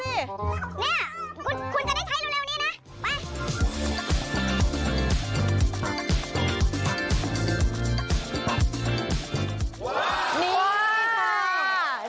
นี่คุณจะได้ใช้เร็วนี้นะไปค่ะ